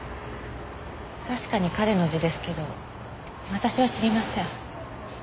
確かに彼の字ですけど私は知りません。